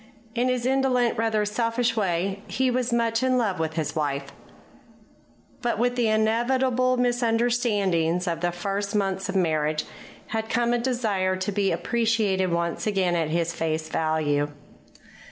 In his indolent, rather selfish way, he was much in love with his wife. But with the inevitable misunderstandings of the first months of marriage had come a desire to be appreciated once again at his face value.